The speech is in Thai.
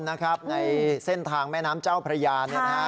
ในเส้นทางแม่น้ำเจ้าพระยา